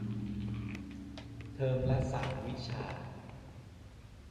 เทอมละสามวิชา